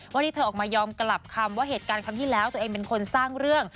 วันนี้เธอออกมายอมกลับคำว่าเหตุการณ์ครั้งที่แล้วตัวเองเป็นคนสร้างเรื่อง